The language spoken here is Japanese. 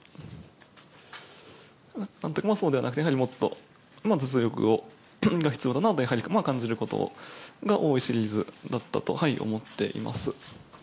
なんというか、もっと実力が必要だなとやはり感じることが多いシリーズだったと思っています。